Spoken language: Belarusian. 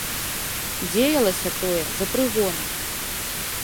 Дзеялася тое за прыгонам.